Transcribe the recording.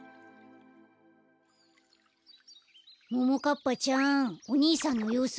ももかっぱちゃんおにいさんのようすはどう？